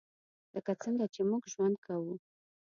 لکه څنګه چې موږ ژوند کوو .